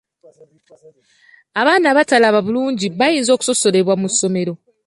Abaana abatalaba bulungi bayinza okusosolebwa mu ssomero.